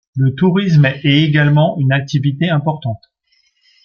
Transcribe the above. Le tourisme est également une activité importante.